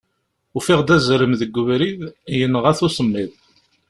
Ufiɣ-d azrem deg ubrid, yenɣa-t usemmiḍ.